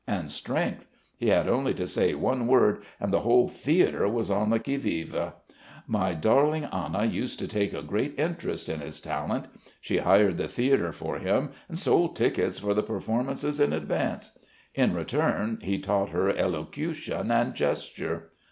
And strength. He had only to say one word and the whole theatre was on the qui vive. My darling Anna used to take a great interest in his talent. She hired the theatre for him and sold tickets for the performances in advance.... In return he taught her elocution and gesture.